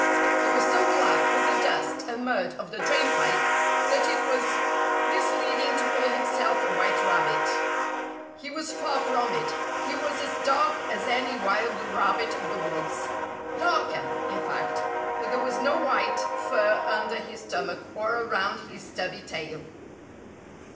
He was so black with the dust and mud of the drain pipe that it was misleading to call himself a white rabbit. He was far from it. He was as dark as any wild rabbit of the woods darker, in fact, for there was no white fur under his stomach or around his stubby tail.